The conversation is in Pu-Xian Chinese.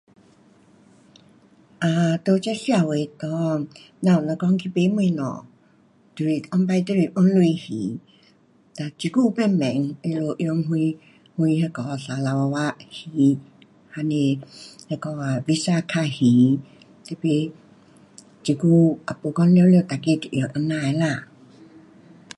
啊，在这社会内，咱们若讲去买东西以前都是用钱还，哒这久慢慢他们用什什那个 sarawak 还，还是那个啊，visa card 还，tapi 这久也没讲全部每个都用这样的啦